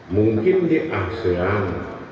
mungkin di asean